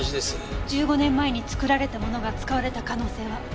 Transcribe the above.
１５年前に作られたものが使われた可能性は？